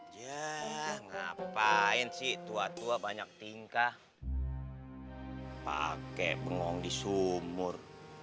ya ngapain sih tua tua banyak tingkah pakai pengongdi sumur